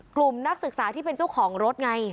นักศึกษาที่เป็นเจ้าของรถไง